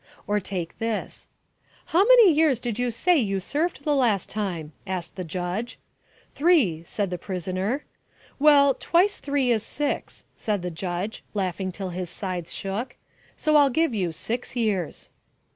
Or take this: "How many years did you say you served the last time?" asked the judge. "Three," said the prisoner. "Well, twice three is six," said the judge, laughing till his sides shook; "so I'll give you six years."